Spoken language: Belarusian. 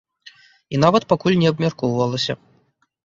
І нават пакуль не абмяркоўвалася.